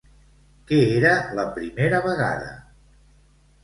Què era la primera vegada?